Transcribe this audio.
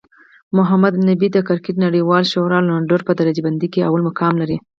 محمد نبي د کرکټ نړیوالی شورا الرونډرانو په درجه بندۍ کې لومړی مقام لري